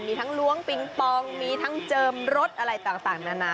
มีทั้งล้วงปิงปองมีทั้งเจิมรสอะไรต่างนานา